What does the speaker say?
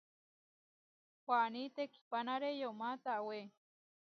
Waní tekihpánare yomá tawé.